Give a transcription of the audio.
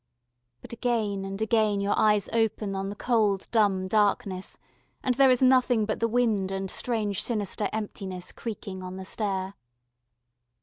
But again and again your eyes open on the cold dumb darkness, and there is nothing but the wind and strange sinister emptiness creaking on the stair.